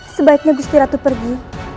sebaiknya gusti ratu pergi